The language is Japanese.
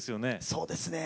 そうですね。